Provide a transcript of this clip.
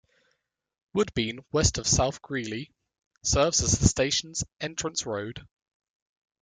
Woodbine west of South Greeley serves as the station's entrance road.